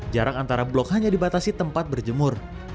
jarak antara blok hanya dibatasi tempat berjemur